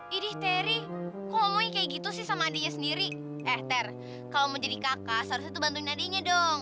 kau tuh kangen sama antoni sampai segitunya sih